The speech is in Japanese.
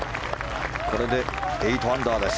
これで８アンダーです。